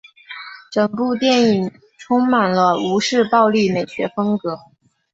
整部电影充满了吴氏暴力美学风格。